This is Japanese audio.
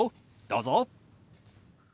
どうぞ。